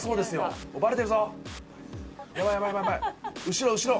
後ろ後ろ！